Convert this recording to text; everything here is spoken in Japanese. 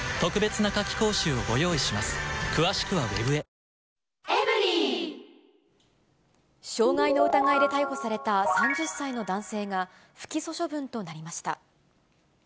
イライラには緑の漢方セラピー傷害の疑いで逮捕された３０歳の男性が、不起訴処分となりました。